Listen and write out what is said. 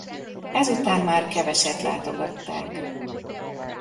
Ezután már keveset látogatták.